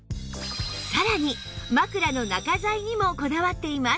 さらに枕の中材にもこだわっています